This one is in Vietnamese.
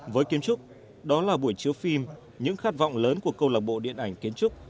với kiến trúc đó là buổi chiếu phim những khát vọng lớn của câu lạc bộ điện ảnh kiến trúc